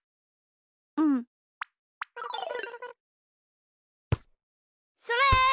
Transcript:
うん。それ！